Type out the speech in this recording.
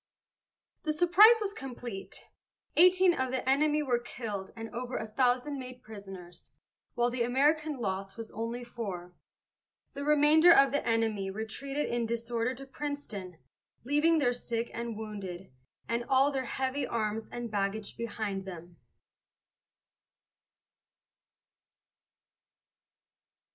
The surprise was complete. Eighteen of the enemy were killed and over a thousand made prisoners, while the American loss was only four. The remainder of the enemy retreated in disorder to Princeton, leaving their sick and wounded, and all their heavy arms and baggage behind them.